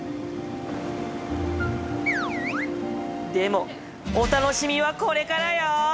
でもお楽しみはこれからよ。